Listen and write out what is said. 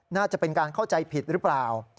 น่าจะเป็นการเข้าใจผิดหรือเปล่า